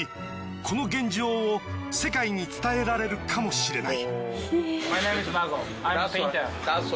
この現状を世界に伝えられるかもしれない。